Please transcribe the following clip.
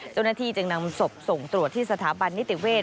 เจ้าหน้าที่จึงนำศพส่งตรวจที่สถาบันนิติเวศ